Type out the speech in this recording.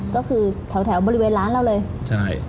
ก็คือแถวบริเวณร้านเราเลย